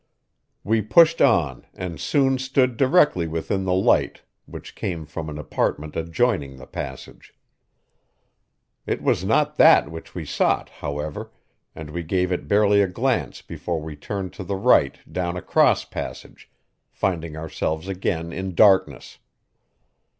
We pushed on, and soon stood directly within the light which came from an apartment adjoining the passage. It was not that which we sought, however, and we gave it barely a glance before we turned to the right down a cross passage, finding ourselves again in darkness.